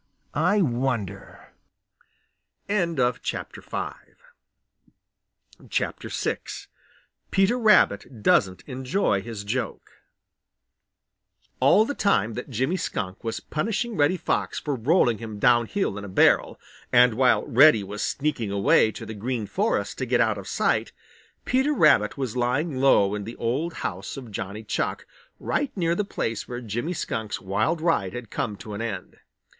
I wonder." VI PETER RABBIT DOESN'T ENJOY HIS JOKE All the time that Jimmy Skunk was punishing Reddy Fox for rolling him down hill in a barrel, and while Reddy was sneaking away to the Green Forest to get out of sight, Peter Rabbit was lying low in the old house of Johnny Chuck, right near the place where Jimmy Skunk's wild ride had come to an end.